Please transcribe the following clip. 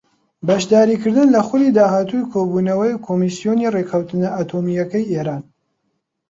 بەشداریکردن لە خولی داهاتووی کۆبوونەوەی کۆمسیۆنی ڕێککەوتنە ئەتۆمییەکەی ئێران